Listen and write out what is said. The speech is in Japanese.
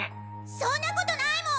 そんな事ないもん！